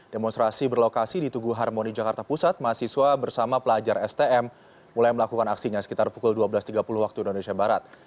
demonstrasi berlokasi di tugu harmoni jakarta pusat mahasiswa bersama pelajar stm mulai melakukan aksinya sekitar pukul dua belas tiga puluh waktu indonesia barat